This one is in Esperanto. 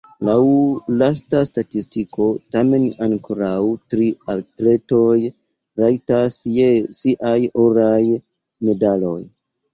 Laŭ lasta statistiko, tamen ankoraŭ tri atletoj rajtas je siaj oraj medaloj.